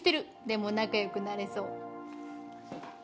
でも仲よくなれそう。